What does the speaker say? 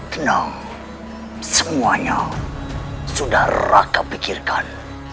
tenang semuanya sudah raka pikirkan